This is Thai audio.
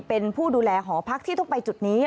เป็นผู้ดูแลหอพักที่ต้องไปจุดนี้